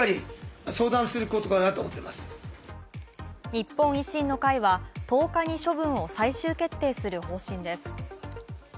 日本維新の会は１０日に処分を最終決定する方針です。